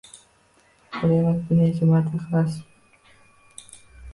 Bir emas bir necha marta yiqilasiz.